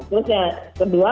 terus yang kedua